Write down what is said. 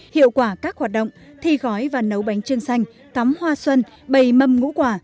hiệu quả các hoạt động thi gói và nấu bánh trưng xanh cắm hoa xuân bày mâm ngũ quả